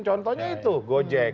contohnya itu gojek